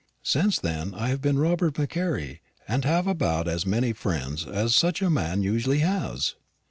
Since then I have been Robert Macaire, and have about as many friends as such a man usually has."